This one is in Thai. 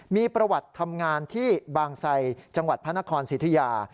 มีประวัติทำงานที่บางไซจังหวัดพระนครสิทธิยา